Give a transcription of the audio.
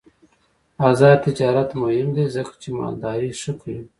آزاد تجارت مهم دی ځکه چې مالداري ښه کوي.